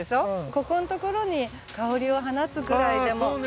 ここのところに「香りを放つ」ぐらいでも。